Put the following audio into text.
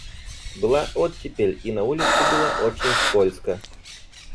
Была оттепель, и на улице было очень скользко.